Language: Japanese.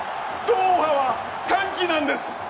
ドーハは歓喜なんです！